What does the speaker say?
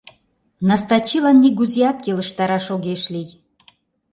Настачилан нигузеат келыштараш огеш лий...